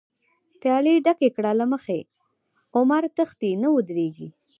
پیالی ډکی کړه له مخی، عمر تښتی نه ودریږی